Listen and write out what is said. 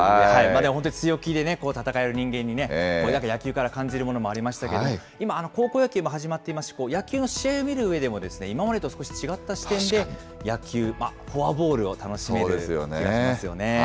本当に強気で戦える人間に、これだけ野球から感じるものもありましたけど、今、高校野球も始まっていますし、野球の試合を見るうえでも今までと少し違った視点で野球、フォアボールを楽しめる気がしますよね。